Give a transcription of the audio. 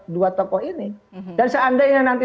dua tokoh ini dan seandainya nanti